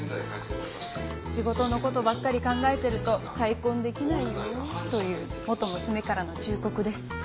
仕事の事ばっかり考えてると再婚できないよ。という元娘からの忠告です。